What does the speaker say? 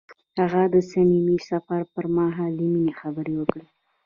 هغه د صمیمي سفر پر مهال د مینې خبرې وکړې.